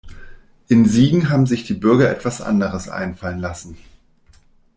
In Siegen haben sich die Bürger etwas anderes einfallen lassen.